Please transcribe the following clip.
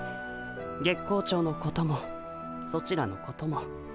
月光町のこともソチらのことも。